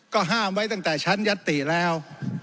ก็ห้ามไว้ตั้งแต่ชั้นยัตติแล้ว